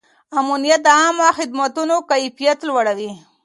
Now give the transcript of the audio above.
امنیت د عامه خدمتونو کیفیت لوړوي.